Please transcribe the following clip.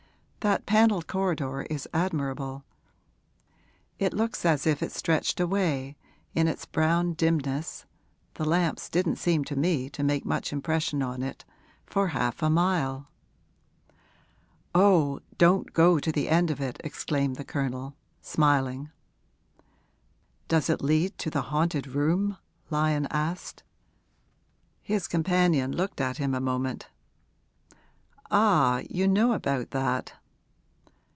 That panelled corridor is admirable; it looks as if it stretched away, in its brown dimness (the lamps didn't seem to me to make much impression on it), for half a mile.' 'Oh, don't go to the end of it!' exclaimed the Colonel, smiling. 'Does it lead to the haunted room?' Lyon asked. His companion looked at him a moment. 'Ah, you know about that?'